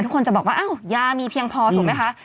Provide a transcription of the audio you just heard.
ทุกคนจะบอกว่าอ้าวยามีเพียงพอถูกไหมคะ